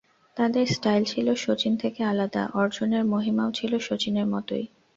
তাঁদের স্টাইল ছিল শচীন থেকে আলাদা, অর্জনের মহিমাও ছিল শচীনের মতোই।